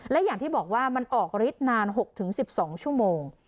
และอย่างที่บอกว่ามันออกฤทธิ์นาน๖๑๒ชั่วโมง